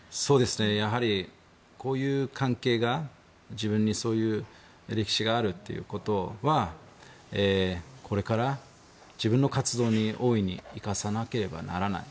やはり交友関係が自分にそういう歴史があるということはこれから、自分の活動に大いに生かさなければならない。